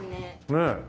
ねえ。